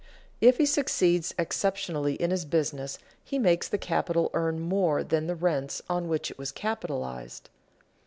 If he succeeds exceptionally in his business, he makes the capital earn more than the rents on which it was capitalized.